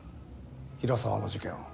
平沢の事件を。